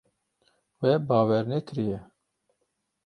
We bawer nekiriye.